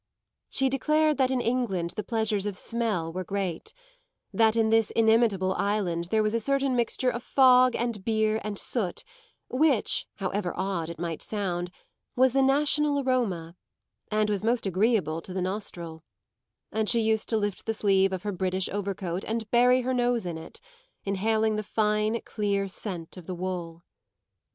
She declared that in England the pleasures of smell were great that in this inimitable island there was a certain mixture of fog and beer and soot which, however odd it might sound, was the national aroma, and was most agreeable to the nostril; and she used to lift the sleeve of her British overcoat and bury her nose in it, inhaling the clear, fine scent of the wool.